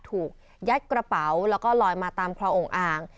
ถูกยัดกระเป๋าแล้วก็ลอยมาตามคลององค์อ่าง